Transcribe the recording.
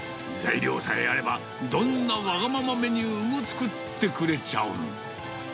材料さえあれば、どんなわがままメニューも作ってくれちゃう。